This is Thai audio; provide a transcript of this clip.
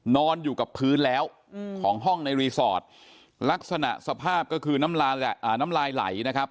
นอนอยู่กับพื้นแล้วของห้องในรีสอร์ทลักษณะสภาพก็คือน้ำลายไหลนะครับ